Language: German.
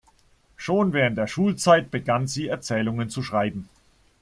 Schon während der Schulzeit begann sie Erzählungen zu schreiben.